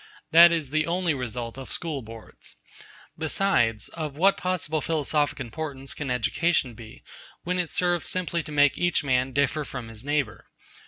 That is the only result of School Boards. Besides, of what possible philosophic importance can education be, when it serves simply to make each man differ from his neighbour?